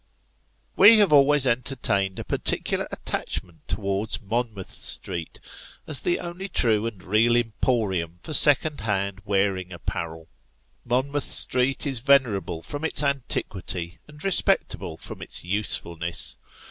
WE have always entertained a particular attachment towards Mon mouth Street, as the only true and real emporium for second hand wearing apparel. Monmouth Street is venerable from its antiquity, and respectable from its usefulness.